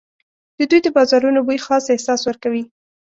د دوی د بازارونو بوی خاص احساس ورکوي.